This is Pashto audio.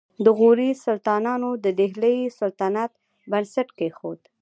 د غوري سلطانانو د دهلي سلطنت بنسټ کېښود